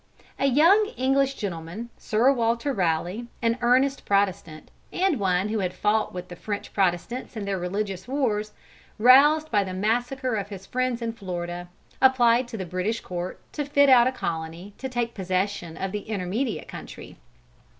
A young English gentleman, Sir Walter Raleigh, an earnest Protestant, and one who had fought with the French Protestants in their religious wars, roused by the massacre of his friends in Florida, applied to the British court to fit out a colony to take possession of the intermediate country.